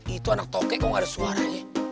itu anak toke kok gak ada suaranya